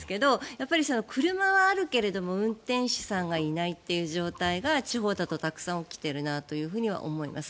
やっぱり車はあるけども運転手さんがいないという状態が地方だとたくさん起きているなと思います。